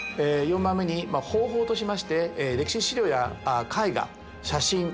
４番目に方法としまして歴史資料や絵画写真